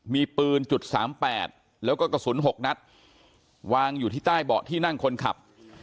มีปืนจุด๓๘แล้วก็กระสุน๖นัดวางอยู่ที่ใต้เบาะที่นั่งคนขับ